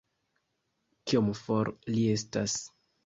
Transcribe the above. Kiom for li estas